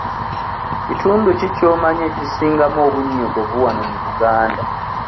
Kitundu ki ky'omanyi ekisingamu obunnyogovu wano mu Buganda?